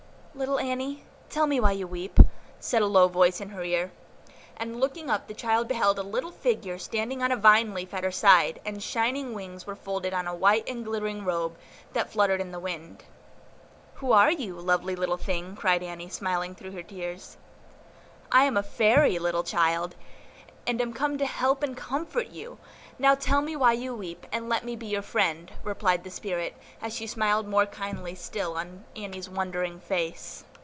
"Little Annie, tell me why you weep," said a low voice in her ear; and, looking up, the child beheld a little figure standing on a vine leaf at her side; a lovely face smiled on her, from amid bright locks of hair, and shining wings were folded on a white and glittering robe, that fluttered in the wind. "Who are you, lovely little thing?" cried Annie, smiling through her tears. "I am a Fairy, little child, and am come to help and comfort you; now tell me why you weep, and let me be your friend," replied the spirit, as she smiled more kindly still on Annie's wondering face.